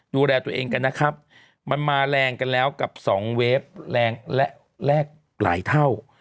ดูแลตัวเองกันนะครับมันมาแรงกันแล้วกับสองเวฟแรงและแรกหลายเท่า